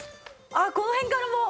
あっこの辺からもう。